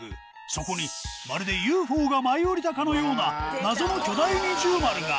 そこにまるでＵＦＯが舞い降りたかのような謎の巨大二重丸が！